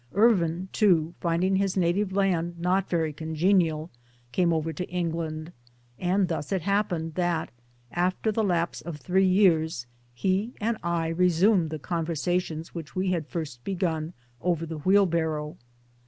Ervin, too, rinding his native land not very congenial came over to England ; and thus it happened that after the lapse of three years he and I resumed the conversations which we had first begun over the wheelbarrow.